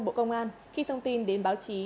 bộ công an khi thông tin đến báo chí